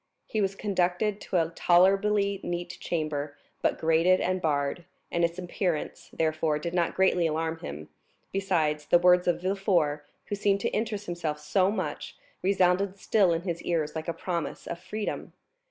He was conducted to a tolerably neat chamber, but grated and barred, and its appearance, therefore, did not greatly alarm him; besides, the words of Villefort, who seemed to interest himself so much, resounded still in his ears like a promise of freedom.